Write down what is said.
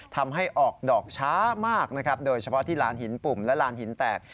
ทำให้ออกดอกช้ามากนะครับโดยเฉพาะที่ลานหินปุ่มและลานหินแตก